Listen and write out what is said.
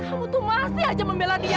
aku tuh masih aja membela dia